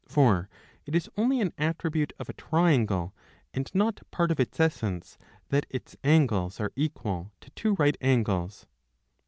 For it is only an attribute of a triangle and not part of its essence that its angles are equal to two right angles.